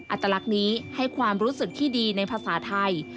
อัตลักษณ์นี้ให้ความรู้สึกที่ดีในภาษาไทย